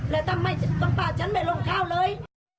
แล้วทำไมต้องปล่าฉันไม่ลงเข้าเลย